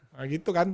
nah gitu kan